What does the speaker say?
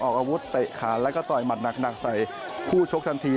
อาวุธเตะขาแล้วก็ต่อยหมัดหนักใส่คู่ชกทันที